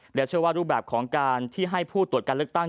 และเชื่อว่ารูปแบบของการที่ให้ผู้ตรวจการเลือกตั้ง